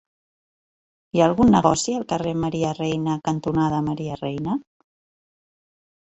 Hi ha algun negoci al carrer Maria Reina cantonada Maria Reina?